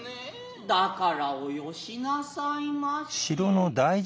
だからおよしなさいまし。